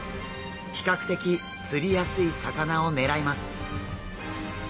比較的釣りやすい魚を狙います。